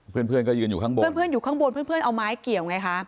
เพื่อนก็ยืนอยู่ข้างบนเพื่อนอยู่ข้างบนเพื่อนเอาไม้เกี่ยวไงคะ